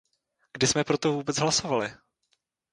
Kdy jsme pro to vůbec hlasovali?